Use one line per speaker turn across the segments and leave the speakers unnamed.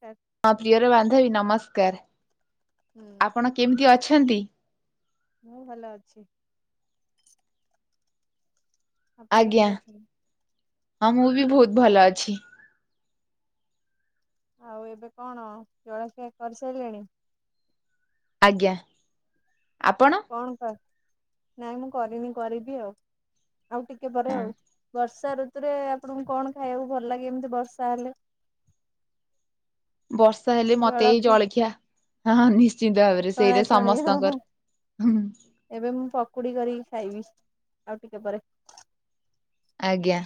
ସେ [inaudible]
ମୋ ପ୍ରିୟର ବାନ୍ଧବୀ ନମସ୍କାର
ହୁଁ
ଆପଣ କେମିତି ଅଛନ୍ତି?
ମୁଁ ଭଲ ଅଛି। ଆପଣ
ଆଜ୍ଞା
କେମିତି ଅଛନ୍ତି?
ହଁ ମୁଁ ବି ବହୁତ ଭଲ ଅଛି।
ଆଉ ଏବେ କଣ ଜଳଖିଆ କରିସାରିଲେଣି?
ଆଜ୍ଞା ଆପଣ?
କଣ କ ନାଇଁ ମୁଁ କରିନି କରିବି ଆଉ ଆଉ ଟିକେ ପରେ
ହଁ
ବର୍ଷା ଋତୁରେ ଆପଣଙ୍କୁ କଣ ଖାଇବାକୁ ଭଲ ଲାଗେ ଏମିତି ବର୍ଷା ହେଲେ?
ବର୍ଷା ହେଲେ ମତେ ଏଇ ଜଳଖିଆ ହଁ ନିଶ୍ଚିନ୍ତ ଭାବରେ ସେଇଟା
ଛଣାଛଣି ହଁ ହଁ
ସମସ୍ତଙ୍କର। ହୁଁ
ଏବେ ମୁଁ ପକୁଡ଼ି କରିକି ଖାଇବି ଆଉ ଟିକେ ପରେ।
ଆଜ୍ଞା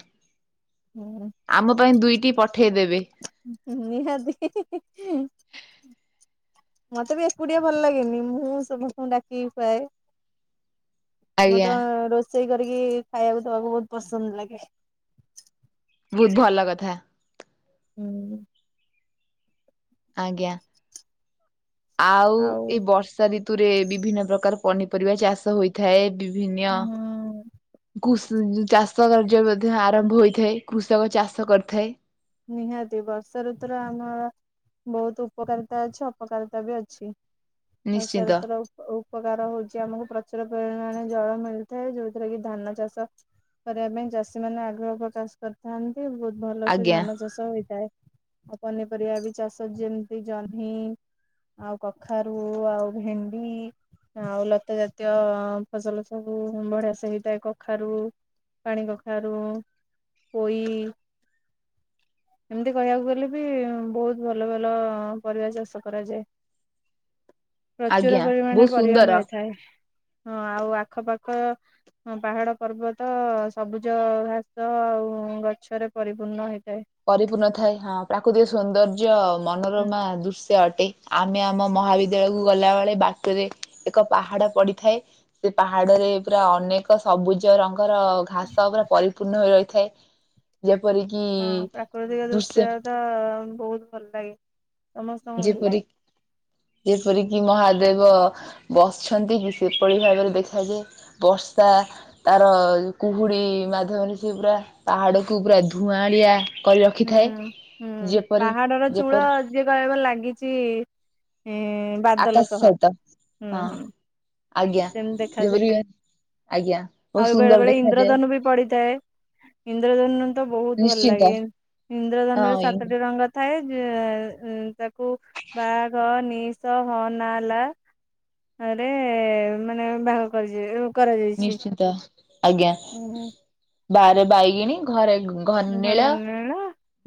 ହୁଁ
ଆମ ପାଇଁ ଦୁଇଟି ପଠେଇଦେବେ।
ନିହାତି ମତେ ବି ଏକୁଟିଆ ଭଲ ଲାଗେନି ମୁଁ ସମସ୍ତଙ୍କୁ ଡାକିକି ଖୁଆଏ।
ଆଜ୍ଞା
ମତେ ରୋଷେଇ କରିକି ଖାଇବାକୁ ଦେବାକୁ ବହୁତ ପସନ୍ଦ ଲାଗେ।
ବହୁତ ଭଲ କଥା।
ହୁଁ
ଆଜ୍ଞା ଆଉ ଏ ବର୍ଷା ଋ ଋତୁରେ ବିଭିନ୍ନ ପ୍ରକାର ପନିପରିବା ଚାଷ ହୋଇଥାଏ ବିଭିନ୍ନ
ହୁଁ।
ଚାଷ କାର୍ଯ୍ୟ ମଧ୍ୟ ଆରମ୍ଭ ହୋଇଥାଏ କୃଷକ ଚାଷ କରିଥାଏ।
ନିହାତି ବର୍ଷା ଋତୁର ଆମର ବହୁତ ଉପକାରିତା ଅଛି ଅପକାରିତା ବି ଅଛି। ହଉ
ନିଶ୍ଚିନ୍ତ
ସତ ରହୁ। [inaudible] ଉପକାର ହଉଛି ଆମକୁ ପ୍ରଚୁର ପରିମାଣ ଜଳ ମିଳିଥାଏ ଯୋଉଥିରେ କି ଧାନ ଚାଷ କରିବା ପାଇଁ ଚାଷୀ ମାନେ ଆଗ୍ରହ ପ୍ରକାଶ କରିଥାନ୍ତି ବହୁତ ଭଲସେ
ଆଜ୍ଞା
ଧାନ ଚାଷ ଚାଷ ହୋଇଥାଏ ଆଉ ପନିପରିବା ବି ଚାଷ ଯେମିତି ଜହ୍ନି ଆଉ କଖାରୁ ଆଉ ଭେଣ୍ଡି ଆଉ ଲତା ଜାତୀୟ ଫସଲ ସବୁ ବଢ଼ିଆସେ ହେଇଥାଏ କଖାରୁ। ପାଣି କଖାରୁ ପୋଇ। ଏମିତି କହିବାକୁ ଗଲେ ବି ବହୁତ ଭଲ ଭଲ ପରିବା ଚାଷ କରାଯାଏ। ପ୍ରଚୁର
ଆଜ୍ଞା
ପରିମାଣରେ
ବହୁତ
ପରିବା
ସୁନ୍ଦର
ମିଳିଥାଏ। ହଁ ଆଉ ଆଖ ପାଖ। ହଁ ପାହାଡ଼ ପର୍ବତ ସବୁଜ ଘାସ ଆଉ ଗଛରେ ପରିପୂର୍ଣ୍ଣ ହେଇଥାଏ।
ପରିପୂର୍ଣ୍ଣ ଥାଏ ହଁ ପ୍ରାକୃତିକ ସୌନ୍ଦର୍ଯ୍ୟ ମନର
ହୁଁ।
ମା ଦୃଶ୍ୟ ଅଟେ। ଆମେ ଆମ ମହାବିଦ୍ୟାଳୟକୁ ଗଲା ବେଳେ ବାଟରେ ଏକ ପାହାଡ ପଡିଥାଏ। ସେ ପାହାଡରେ ପୁରା ଅନେକ ସବୁଜ ରଙ୍ଗର ଘାସ ପୁରା ପରିପୂର୍ଣ୍ଣ ହୋଇ ରହିଥାଏ ଯେପରିକି
ହଁ ପ୍ରାକୃତିକ ଦୃଶ୍ୟ ତ ବହୁତ ଭଲ ଲାଗେ। ସମସ୍ତଙ୍କୁ ଭଲ ଲାଗେ।
ଯେପରିକ। ଯେପରିକି ମହାଦେବ ବସିଛନ୍ତି କି ସେପଳି ଭାବରେ ଦେଖାଯାଏ। ବର୍ଷା। ତାର କୁହୁଡି ମାଧ୍ୟମରେ ସେ ପୁରା ପାହାଡକୁୁ ପୁରା ଧୂଆଁଳିଆ। କରି
ହୁଁ
ରଖିଥାଏ ଯେପରି ଯେପରି
ଯେ କହିବାରେ ଲାଗିଛି ଉଁ ବାଦଲ
ଆକାଶ
ସହ
ସହିତ
ହୁଁ
ହଁ
ହୁଁ।
ଆଜ୍ଞା
ସେମିତି
ଯେପରି
ଦେଖାଯାଏ
ଆଜ୍ଞା ବହୁତ
ଆଉ ବେଳେ
ସୁନ୍ଦର
ବେଳେ
ଦେଖାଯାଏ
ଇନ୍ଦ୍ରଧନୁ ବି ପଡିଥାଏ। ଇନ୍ଦ୍ରଧନୁ ତ ବହୁତ ଭଲ
ନିଶ୍ଚିନ୍ତ
ଲାଗେ ଇନ୍ଦ୍ରଧନ ରେ
ହଁ
ସାତଟି ରଙ୍ଗ। ଥାଏ ତାକୁ ବା ଘ ନିଶ ହଁ ନା ଲା ଆରେ ମାନେ ବାଘ କରିଛି।
ନିଶ୍ଚିତ ଆଜ୍ଞା।
ଉଁ ହୁଁ।
ବହାରେ ବାଇଗିଣି ଘରେ। ଘନନୀଳ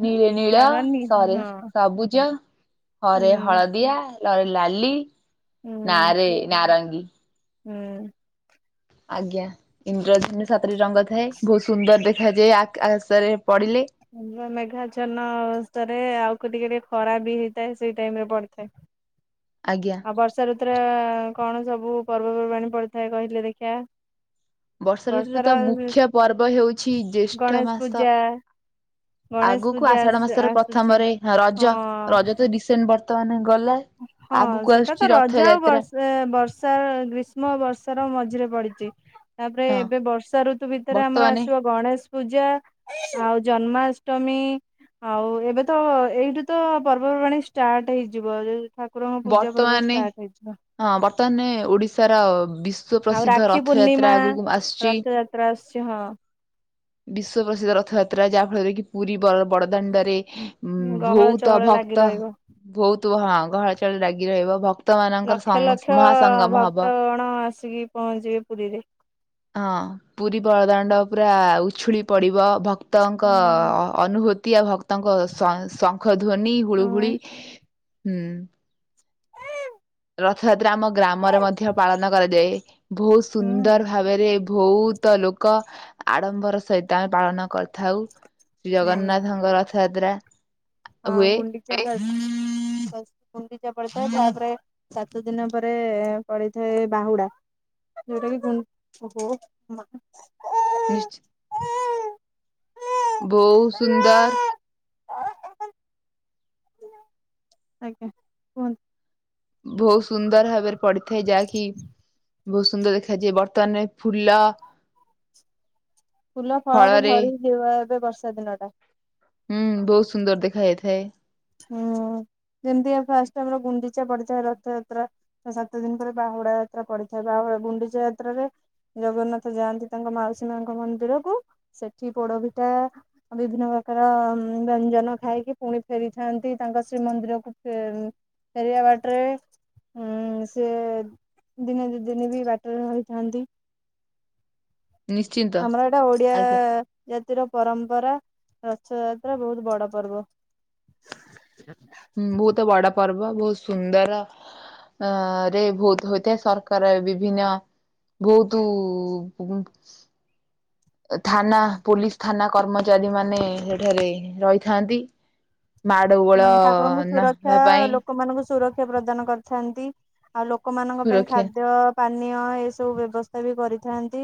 ନୀଳନୀଳ
ବାଘନି
ସରେ
ହଁ
ସବୁଜ। ହରେ
ହୁଁ
ହଳଦିଆ ଲ ରେ ଲାଲି ନା ରେ ନାରଙ୍ଗୀ।
ହୁଁ।
ଆଜ୍ଞା ଇନ୍ଦ୍ରଜନୀ ଧନୁ ରେ ସାତରେ ରଙ୍ଗ ଥାଏ ବହୁତ ସୁନ୍ଦର ଦେଖାଯାଏ ଆଶରେ ପଡିଲେ
ଆ ମେଘାଚନ ଅବସ୍ଥାରେ ଆଉ କେ ଟିକେ ଟିକେ ଖରା ବି ହେଇଥାଏ ସେଇ ଟାଇମ ରେ ପଡିଥାଏ
ଆଜ୍ଞା
ଆଉ ବର୍ଷା ଋତୁୁର କଣ ସବୁ ପର୍ବପର୍ବାଣିୀ ପଡିଥାଏ କହିଲେ ଦେଖିିବା
ବର୍ଷା ଋତୁରେ ତ ମୁଖ୍ୟ ପର୍ବ ହେଉଛି ଜେଷ୍ଠ
ଗଣେଶ
ମାସ
ପୂଜା ଗଣେଶ
ଆଗକୁ
ପୂଜା
ଆଷାଢ
ଆସୁ
ମାସର
ଆସୁଛି
ପ୍ରଥମରେ ରଜ
ହଁ
ରଜ ତ ଡିସେମ୍ବର ବର୍ତ୍ତ ମାନ ଗଲା ଆଗକୁ ଆସୁଛି ରଥଯାତ୍ରା
ଏ ବର୍ଷା ଗ୍ରୀଷ୍ମ ବର୍ଷାର ମଝିରେ ପଡିଛି ତାପରେ
ହଁ
ଏବେ ବର୍ଷା ଋତୁ ଭିତରେ ଆମର
ବର୍ତ୍ତମାନେ
ଆସିବ ଗଣେଶ ପୂଜା ଆଉ ଜନ୍ମାଷ୍ଟମୀ ଆଉ ଏବେ ତ ଏଇଠୁ ତ ପର୍ବପର୍ବାଣିୀ ଷ୍ଟାର୍ଟ ହେଇଯିବ ଠାକୁରଙ୍କ ପୂଜା ପର୍ବ
ବର୍ତ୍ତମାନେ
ଷ୍ଟାର୍ଟ ହେଇଯିବ
ହଁ ବର୍ତ୍ତମାନ ଓଡିଶାର ବି ବିଶ୍ୱ
ଆଉ
ପ୍ରସିଦ୍ଧ
ରାକ୍ଷୀ
ରଥଯାତ୍ରା
ପୂର୍ଣ୍ଣିମା
ଆଗକୁ ଆସୁଛି
ରଥଯାତ୍ରା ଆସୁଛି ହଁ
ବିଶ୍ଵ ପ୍ରସିଦ୍ଧ ରଥଯାତ୍ରା ଯାହା ଫଳରେ କି ପୁରୀ ବଡଦାଣ୍ଡରେ ଉଁ
ଗହଳ
ଭହୁତ
ଚହଳ ଲାଗି
ଭକ୍ତ
ରହିବ।
ଭହୁତ ହଁ ଘର ଚଳେ ରାାଗି ରହିବ ଭକ୍ତ ମାନଙ୍କର
ଲକ୍ଷ
ସଙ୍ଗ
ଲକ୍ଷ
ମହାସଙ୍ଗମ ହବ।
ଭକ୍ତ କଣ ଆସିକି ପହଞ୍ଚିବେ ପୁରୀରେ
ହଁ ପୁରୀ ବଳଦାଣ୍ଡ ପୁରା ଉଛୁଳି ପଡିବ ଭକ୍ତଙ୍କ
ହଁ
ଅନୁଭୂତି ଆ ଭ ତାଙ୍କ ଶଙ୍ଖ ଧ୍ୱନି ହୁଳୁ
ହଁ
ହୁଳି ହୁଁ
ହୁଁ
ରଥଯାତ୍ରା ଆମ ଗ୍ରାମରେ ମଧ୍ୟ ପାଳନ କରାଯାଏ ବହୁତ ସୁନ୍ଦର ଭାବରେ ବହୁତ ଲୋକ ଆଡମ୍ବର ସହିତ ଆମେ ପାଳନ କରିଥାଉ ଶ୍ରୀ
ହୁଁ
ଜଗନ୍ନାଥଙ୍କ ରଥଯାତ୍ରା।
ହଁ
ହୁଏ
ଗୁଣ୍ଡିଚା [unintelligible] ସାତ ଦିନ ପରେ ପଡିଥାଏ ବାହୁଡା। ଯେଉଟା ବି ଗୁଣ ହ [unintelligible]
ନିଶ୍ଚିତ। ବହୁତ ସୁନ୍ଦର।
ଆଜ୍ଞା କୁହନ୍ତୁ।
ବହୁତ ସୁନ୍ଦର ଭାବରେ ପଡିଥାଏ ଯାହାକି ବହୁତ ସୁନ୍ଦର ଦେଖାଯାଏ ବର୍ତ୍ତମାନରେ ଫୁଲ।
ଫୁଲ ଫଳରେ ଭରି ଯିବ ଏବେ ବର୍ଷା ଦିନ ଟା।
ହୁଁ ବହୁତ ସୁନ୍ଦର ଦେଖା ଯାଇଥାଏ।
ହୁଁ ଯେମିତି ଫାଷ୍ଟ ଆମର ଗୁଣ୍ଡିଚା ପଡିଥାଏ ରଥଯାତ୍ରା। ସାତ ଦିନ ପରେ ବାହୁଡା ଯାତ୍ରା ପଡିଥାଏ ବାହୁଡା ଗୁଣ୍ଡିଚା ଯାତ୍ରାରେ। ଜଗନ୍ନାଥ ଯାଆନ୍ତି ତାଙ୍କ ମାଉସୀ ମାଙ୍କ ମନ୍ଦିରକୁ ସେଠି ପୋଡ ପିଠା ବିଭିନ୍ନ ପ୍ରକାର ବ୍ୟଞ୍ଜନ ଖାଇକି ପୁଣି ଫେରିଥାନ୍ତି ତାଙ୍କ ଶ୍ରୀମନ୍ଦିରକୁ ଫେରିବା ବାଟରେ ହୁଁ ସିଏ ଦିନେ ଦୁଇ ଦିନ ବି ବାଟରେ ରହିଥାନ୍ତି।
ନିଶ୍ଚିନ୍ତ
ଆମର ଏଇଟା ଓଡିଆ
ଆଜ୍ଞା
ଜାତିର ପରମ୍ପରା ରଥଯାତ୍ରା ବହୁତ ବଡ ପର୍ବ। ହଁ।
ହୁଁ ବହୁତ ବଡ ପର୍ବ ବହୁତ ସୁନ୍ଦର। ଆରେ ବହୁତ ହୋଇଥାଏ ସରକାର ବିଭିନ୍ନ ବହୁତ ଥାନା ପୋଲିସ ଥାନା କର୍ମଚାରୀ ମାନେ ସେଠାରେ ରହିଥାନ୍ତି। ମାଡ ଗୋଳ
ଠାକୁରଙ୍କୁ ସୁରକ୍ଷା
ନହେବା ପାଇଁ।
ଲୋକମାନଙ୍କୁ ସୁରକ୍ଷା ପ୍ରଦାନ କରିଥାନ୍ତି ଆଉ ଲୋକମାନଙ୍କ ପାଇଁ
ସୁରକ୍ଷା
ଖାଦ୍ୟ ପାନୀୟ ଏସବୁ ବ୍ୟବସ୍ଥା ବି କରିଥାନ୍ତି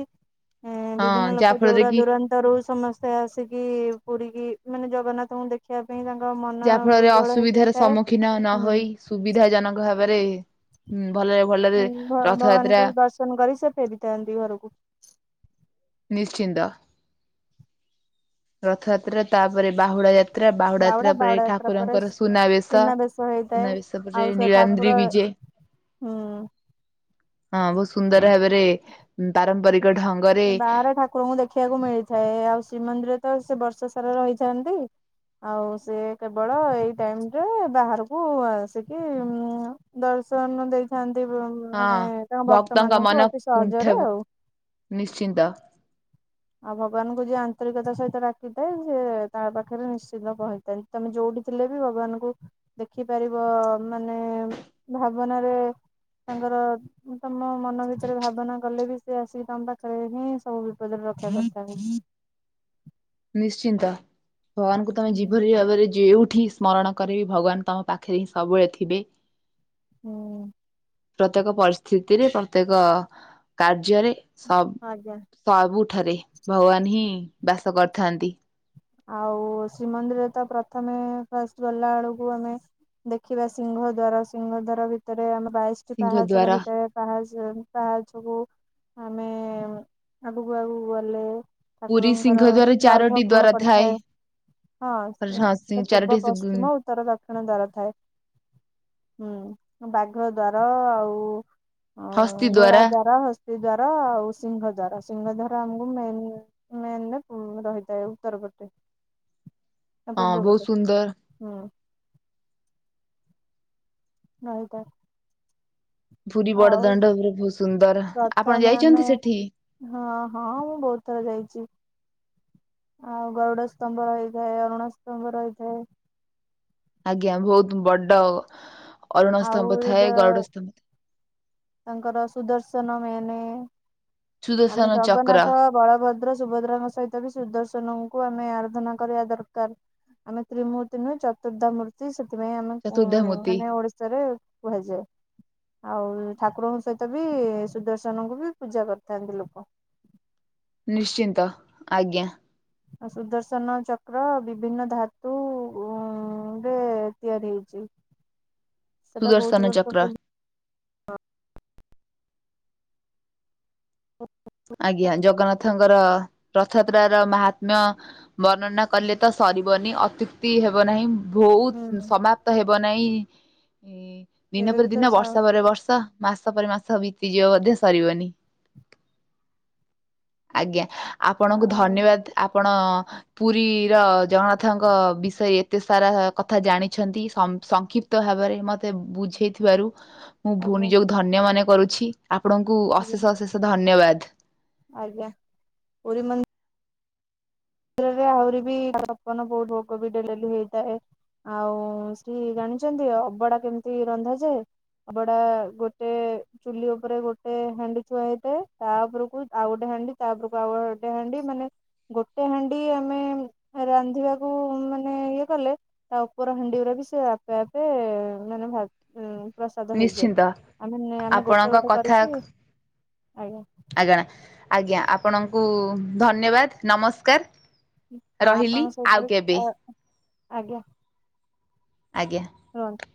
ଏ ବିଭିନ୍ନ
ହଁ ଯାହା
ଲୋକ
ଫଳରେ
ଯୌରା
କି
ଯୌରା ରୁ ସମସ୍ତେ ଆସିକି ପୁରୀକି ମାନେ ଜଗନ୍ନାଥଙ୍କୁ ଦେଖିବା ପାଇଁ ତାଙ୍କ ମ
ଯାହା ଫଳରେ ଅସୁବିଧାର ସମ୍ମୁଖୀନ
ହୁଁ।
ନହୋଇ ସୁବିଧା ଜନକ ଭାବରେ ଭଲରେ ଭଲରେ
ଭଗବାନଙ୍କୁ
ରଥଯାତ୍ରା
ଦର୍ଶନ କରି ସେ ଫେରିଥାନ୍ତି ଘରକୁ।
ନିଶ୍ଚିନ୍ତ ରଥଯାତ୍ରା ତାପରେ ବାହୁଡା ଯାତ୍ରା ଯାତ୍ରା ବାହୁଡ
ବାହୁଡା
ଯାତ୍ରା ପରେ
ବାହୁଡା ଯାତ୍ରା ପରେ
ଠାକୁରଙ୍କର ସୁନାବେଶ ସୁନାବେଶ ପରେ ନୀଳାନ୍ଦ୍ରି ବିଜେ।
ହଁ।
ହଁ ବହୁତ ସୁନ୍ଦର ଭାବରେ ପାରମ୍ପରିକ ଢଙ୍ଗ
ବାହାରେ ଠାକୁରଙ୍କୁ ଦେଖିବାକୁ ମିଳିଥାଏ ଆଉ ଶ୍ରୀମନ୍ଦିର ତ ସେ ବର୍ଷ ସାରା ରହିଥାନ୍ତି। ଆଉ ସେ କେବଳ ଏଇ ଟାଇମ ରେ ବାହାରକୁ ଆସିକି ଦର୍ଶନ ଦେଇଥାନ୍ତି ପ୍ରଭୁ।
ହଁ ଭକ୍ତଙ୍କ ମନ
ସହଜରେ
କୁଣ୍ଠ
ଆଉ।
ନିଶ୍ଚିନ୍ତ।
ଆଉ ଭଗବାନଙ୍କୁ ଯିଏ ଆନ୍ତରିକତା ସହିତ ଡାକିଥାଏ ସିଏ ତା ପାଖରେ ନିଶ୍ଚିତ ପହଞ୍ଚିଥାଏ। ତମେ ଯୋଉଠି ଥିଲେ ବି ଭଗବାନଙ୍କୁ ଦେଖିପାରିବ ମାନେ ଭାବନାରେ ତାଙ୍କର ତମ ମନ ଭିତରେ ଭାବନା କଲେ ବି ସେ ଆସିକି ତମ ପାଖରେ ହିଁ ସବୁ ବିପଦରେ ରଖ [unintelligible]
ନିଶ୍ଚିନ୍ତ ଭଗବାନଙ୍କୁ ତମେ ଯେ ଭରି ଭାବରେ ଯେଉଁଠି ସ୍ମରଣ କରି ବିି, ଭଗବାନ ତମ ପାଖରେ ହିଁ ସବୁବେଳେ ଥିବେ।
ହୁଁ।
ପ୍ରତ୍ୟେକ ପରିସ୍ଥିତିରେ ପ୍ରତ୍ୟେକ କାର୍ଯ୍ୟରେ
ଆଜ୍ଞା।
ସବ ସବୁଠାରେ ଭଗବାନ ହିଁ ବାସ କରିଥାନ୍ତି।
ଆଉ ଶ୍ରୀମନ୍ଦିରରେ ତ ପ୍ରଥମେ ଫାଷ୍ଟ ଗଲା ବେଳକୁ ଆମେ ଦେଖିବା ସିଂହ ଦ୍ୱାର ସିଂହ ଦ୍ୱାର ଭିତରେ ଆମ ବାଇଶଟି
ସିଂହ
ପାହାଚ
ଦ୍ୱାର
ରହିଥାଏ। ପାହାଚ ପାହାଚକୁୁ ଆମେ ଆଗକୁ ଆଗକୁ ଗଲେ
ପୁରୀ ସିଂହ
ଠାକୁରଙ୍କର
ଦ୍ୱାର ଚାରୋଟି
ଗର୍ଭ ଗୃହ
ଦ୍ୱାର
ପଡି
ଥାଏ।
ହଉ ହଁ ସେଟ ପୂର୍ବ,
ଚାରୋଟି
ପଶ୍ଚିମ, ଉ ଉତ୍ତର ଦକ୍ଷିଣ ଦ୍ଵାର ଥାଏ ହୁଁ ବାଘ ଦ୍ଵାର ଆଉ ହ
ହସ୍ତି
ଘୋଡା
ଦ୍ଵାରା
ଦ୍ୱାର, ହସ୍ତି ଦ୍ଵାର, ଆଉ ସିଂହ ଦ୍ୱାର, ସିଂହ ଦାର ଆମକୁ ମେନ୍ ମେନ ପୁ ରହିଥାଏ ଉତ୍ତର ପଟେ ସେ ଆଉ
ହଁ
ପୂର୍ବ ପଟେ
ବହୁତ ସୁନ୍ଦର
ହୁଁ। [unintelligible]
ପୁରୀ
ଆଉ
ବଡଦଣ୍ଡ ପୁର ବହୁତ ସୁନ୍ଦର, ଆପଣ
ପ୍ରଥମେ ଆମେ
ଯାଇଛନ୍ତି ସେଠି?
ହଁ ହଁ ମୁଁ ବହୁତ ଥର ଯାଇଚି। ଆଉ ଗରୁଡ ସ୍ତମ୍ଭ ରହିଥାଏ। ଅରୁଣ ସ୍ତମ୍ଭ ରହିଥାଏ।
ଆଜ୍ଞା ବହୁତ ବଡ ଅରୁଣ
ଆଉ
ସ୍ତମ୍ଭ ଥାଏ।
ଦ-
ଗରୁଡ ସ୍ତମ୍ବ
ତାଙ୍କର ସୁଦର୍ଶନ ମେନେ ଆମେ
ସୁଦର୍ଶନ ଚକ୍ର
ଜଗନ୍ନାଥ ବଳଭଦ୍ର ସୁଭଦ୍ରାଙ୍କ ସହିତ ବି ସୁଦର୍ଶନଙ୍କୁ ଆମେ ଆରାଧନା କରିବା ଦରକାର। ଆମ ତ୍ରିମୂତ୍ତି ନୁହେଁ ଚତୁର୍ଦ୍ଧା ମୁ ସେଥିପାଇଁ ଆମେ ଉ
ଚତୁର୍ଦ୍ଧାମୂର୍ତ୍ତି
ମାନେ ଓଡିଶାରେ କୁହାଯାଏ ଆଉ ଠାକୁରଙ୍କ ସହିତ ବି ସୁଦର୍ଶନଙ୍କୁ ବି ପୂଜା କରିଥାନ୍ତି ଲୋକ।
ନିଶ୍ଚିନ୍ତ ଆଜ୍ଞା।
ଆ ସୁଦର୍ଶନ ଚକ୍ର ବିଭିନ୍ନ ଧାତୁ ଉ ହୁଁ ଡେ ତିଆରି ହେଇଚି।
ସୁଦର୍ଶନ ଚକ୍ର।
ପୂର୍ବ
ଆଜ୍ଞା ଜଗନ୍ନାଥଙ୍କର ରଥଯାତ୍ରା ର ମହାତ୍ମ୍ୟ ବର୍ଣ୍ଣନା କଲେ ତ ସରିବନି ଅତ୍ୟୁକ୍ତି ହେବ ନାହିଁ। ବହୁତ
ହୁଁ
ସମାପ୍ତ ହେବ ନାହିଁ ଇଁ ଦିନ
କେବେ ବି
ପରେ
ତ
ଦିନ
ସା
ବର୍ଷ ପରେ ବର୍ଷ। ମାସ ପରେ ମାସ ବିତିଯିବ ବୋଧେ ସରିବନି। ଆଜ୍ଞା ଆପଣଙ୍କୁ
ଆଉ
ଧନ୍ୟବାଦ ଆପଣ ପୁରୀ ର ଜଗନ୍ନାଥଙ୍କ ବିଷୟରେ ଏତେ ସାରା କଥା ଜାଣିଛନ୍ତି ସମ ସଂକ୍ଷିପ୍ତ ତ ଭାବରେ ମତେ ବୁଝେଇଥିବାରୁ।
[unintelligible]
ମୁଁ ଭୁଣି ଯୋଗୁ ଧନ୍ୟ ମନେ କରୁଛି। ଆପଣଙ୍କୁ ଅଶେଷ ଅଶେଷ ଧନ୍ୟବାଦ।
ଆଜ୍ଞ ପୁରୀ ମନ୍ଦି ପୁରୀରେ ଆଉରିବି ଛପନ ଭୋଗ ବହୁତୁ ଡେଲି ଡେଲି ହୋଇଥାଏ। ଆଉ ସି ଜାଣିଛନ୍ତି ଅବଡା କେମିତି ରନ୍ଧାଯାଏ? ଅଭଡା ଗୋଟେ ଚୁଲି ଉପରେ ଗୋଟେ ହାଣ୍ଡି ଥୁଆ ହେଇଥାଏ। ତା ଉପରକୁ ଆଉ ଗୋଟେ ହାଣ୍ଡି ତା ଉପରକୁ ଆଉ ଆଉ ଗୋଟେ ହାଣ୍ଡି ମାନେ ସେ ହାଣ୍ଡି ଆମେ ରାନ୍ଧିବାକୁ ମାନେ ଇଏ କଲେ ତା ଉପର ହାଣ୍ଡି ଗୁରା ବି ସେ ଆପେ ଆପେ ମାନେ ଭା ଉଁ ପ୍ରସାଦ ହେଇଯାଏ।
ନିଶ୍ଚିନ୍ତ
ଆମେ ନିଆଁ ଆମେ
ଆପଣଙ୍କ
ଗୋଟେ ଗୋଟେ
କଥା
କରିକି ଆଜ୍ଞା
ଆଜ୍ଞା, ଆଜ୍ଞା ଆପଣଙ୍କୁ ଧନ୍ୟବାଦ ନମସ୍କାର।
ହଁ
ରହିଲି
ଆପଣଙ୍କ
ଆଉ
ସହିତ ବି
କେବେ
ଆ ଆଜ୍ଞା।
ଆଜ୍ଞା।
[unintelligible]